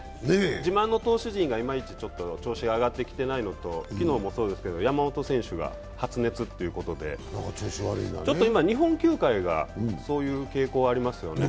自慢の投手陣がいまいちちょっと調子が上がってきていないのと昨日もそうですけど、山本選手が発熱ということで、今、日本球界がそういう傾向ありますよね。